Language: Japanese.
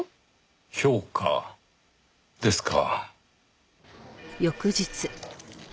評価ですか。